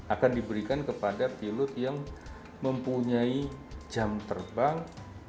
akan diberikan kepada pilot yang mempunyai jam terbang